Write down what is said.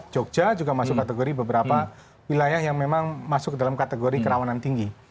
jogja juga masuk kategori beberapa wilayah yang memang masuk dalam kategori kerawanan tinggi